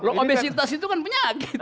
loh obesitas itu kan penyakit